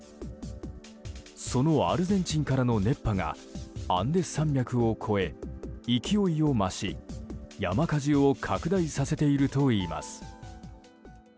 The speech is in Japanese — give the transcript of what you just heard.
そのアルゼンチンからの熱波がアンデス山脈を越え勢いを増し、山火事を拡大させているといいます。